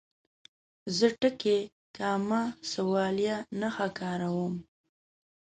زه ټکي، کامه، سوالیه نښه کاروم.